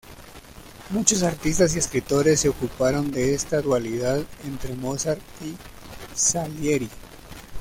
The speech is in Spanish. Muchos artistas y escritores se ocuparon de esta dualidad entre Mozart y Salieri.